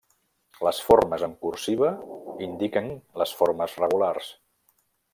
Les formes en cursiva indiquen les formes regulars.